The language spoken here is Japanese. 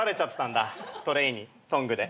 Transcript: トレーにトングで。